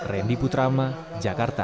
randy putrama jakarta